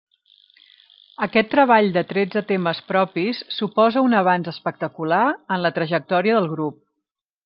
Aquest treball de tretze temes propis suposa un avanç espectacular en la trajectòria del grup.